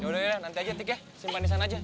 ya udah ya udah nanti aja tika simpan di sana aja